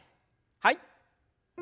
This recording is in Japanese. はい。